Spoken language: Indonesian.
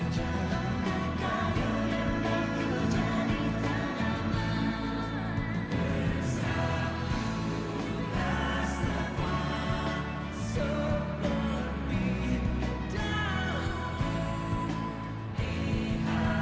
dan kepala cu empat a angkatan bersenjata singapura